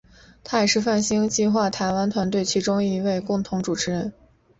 他也是泛星计画台湾团队的其中一位共同主持人。